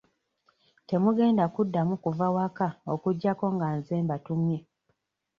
Temugenda kuddamu kuva waka okuggyako nga nze mbatumye.